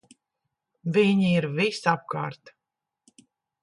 Viņi ir visapkārt!